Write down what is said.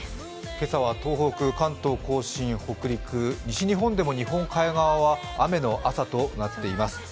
今朝は東北、関東甲信、北陸西日本でも日本海側は雨の朝となっています。